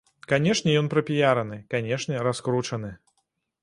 Канешне, ён прапіяраны, канешне, раскручаны.